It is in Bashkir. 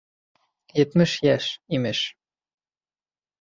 Етмеш йәш, имеш